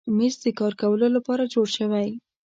مېز د کار کولو لپاره جوړ شوی.